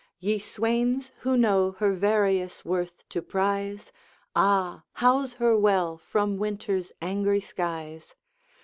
Ye swains who know her various worth to prize, Ah! house her well from winter's angry skies.